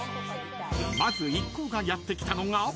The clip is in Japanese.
［まず一行がやって来たのが］